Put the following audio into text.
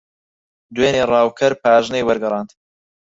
دوێنێ ڕاوکەر پاژنەی وەرگەڕاند.